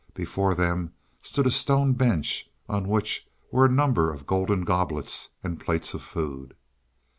Before them stood a stone bench on which were a number of golden goblets and plates of food.